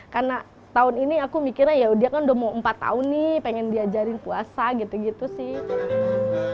karena tahun ini aku mikirnya ya dia kan udah mau empat tahun nih pengen diajarin puasa gitu gitu sih